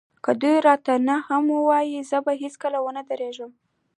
که دوی راته نه هم ووايي زه به هېڅکله ونه درېږم.